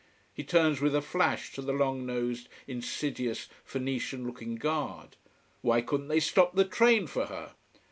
He turns with a flash to the long nosed, insidious, Phoenician looking guard. Why couldn't they stop the train for her!